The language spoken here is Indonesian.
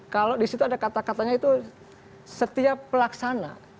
kalau di situ ada kata katanya itu setiap pelaksana